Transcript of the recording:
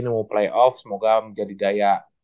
ini mau playoff semoga menjadi daya